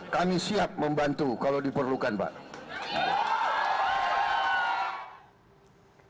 kami siap membantu kalau diperlukan pak